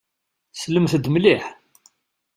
Slemt-d mliḥ.